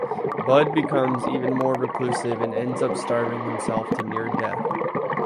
Bud becomes even more reclusive and ends up starving himself to near death.